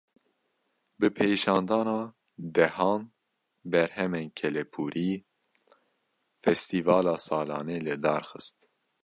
Bi pêşandana dehan berhemên kelepûrî, festîvala salane li dar xist